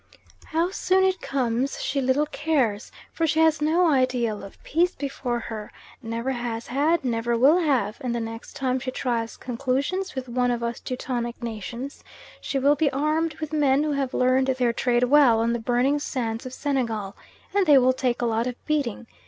How soon it comes she little cares, for she has no ideal of Peace before her, never has had, never will have, and the next time she tries conclusions with one of us Teutonic nations, she will be armed with men who have learned their trade well on the burning sands of Senegal, and they will take a lot of beating.